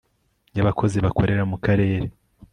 y abakozi bakorera mu karere